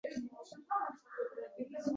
"Avtomaktablar soqqa qilish bilan ovora.